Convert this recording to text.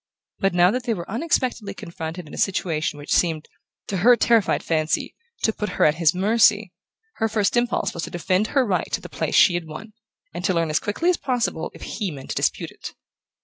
But now that they were unexpectedly confronted in a situation which seemed, to her terrified fancy, to put her at his mercy, her first impulse was to defend her right to the place she had won, and to learn as quickly as possible if he meant to dispute it.